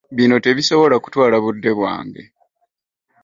Bino tebisobola kutwala budde bwange.